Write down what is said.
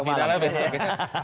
debat finalnya besok ya